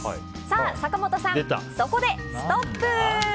坂本さん、そこでストップ！